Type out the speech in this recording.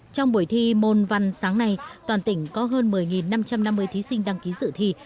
trong buổi thi môn văn sáng nay toàn tỉnh có hơn một mươi năm trăm năm mươi thí sinh đăng ký dự thi